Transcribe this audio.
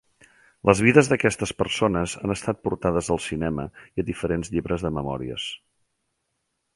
Les vides d'aquestes persones han estat portades al cinema i a diferents llibres de memòries.